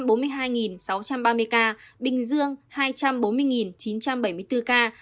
bình dương hai trăm bốn mươi ca